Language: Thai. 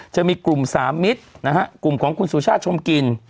จะมีกลุ่มสามมิตรนะฮะกลุ่มของคุณสุชาติชมกิน